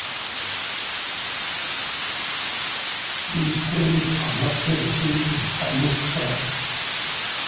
These claims are not taken seriously by most scholars.